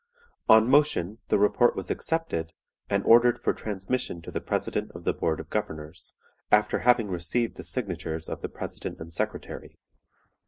"On motion, the report was accepted, and ordered for transmission to the President of the Board of Governors, after having received the signatures of the President and Secretary.